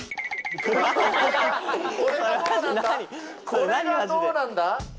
これはどうなんだ？